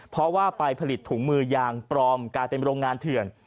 เพราะว่าไปผลิตถุงมือยางปลอมกลายเป็นโรงงานเถื่อน